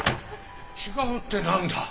違うってなんだ？